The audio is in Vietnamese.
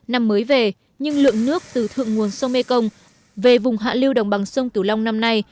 năm mới về nhưng lượng nước từ thượng nguồn sông mê công về vùng hạ lưu đồng bằng sông cửu long năm nay